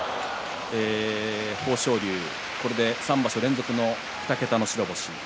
豊昇龍、これで３場所連続の２桁の白星。